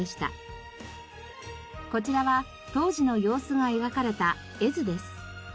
こちらは当時の様子が描かれた絵図です。